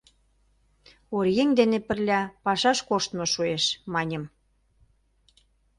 Оръеҥ дене пырля пашаш коштмо шуэш, — маньым.